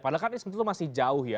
padahal kan ini sebetulnya masih jauh ya